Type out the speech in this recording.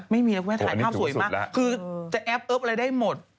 ไม่มีเลยเพราะว่าถ่ายภาพสวยมากคือจะแอบว้มอะไรได้หมด